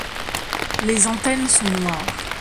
Les antennes sont noires.